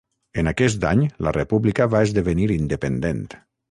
En aquest any la república va esdevenir independent.